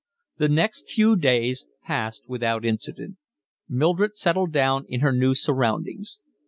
The next few days passed without incident. Mildred settled down in her new surroundings.